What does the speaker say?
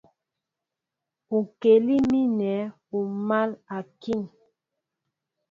Ukɛlí mínɛ́ ú máál a kíŋ.